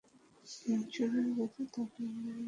শুনেই গেছ তাহলে আমার মা আমাকে বকা দিতে কত ভালোবাসে।